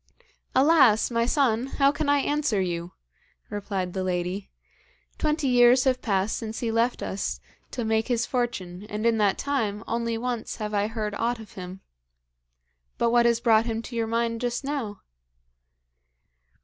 'Alas! my son, how can I answer you?' replied the lady. 'Twenty years have passed since he left us to make his fortune, and, in that time, only once have I heard aught of him. But what has brought him to your mind just now?'